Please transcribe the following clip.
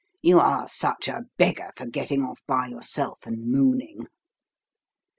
"You are such a beggar for getting off by yourself and mooning."